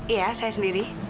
iya saya sendiri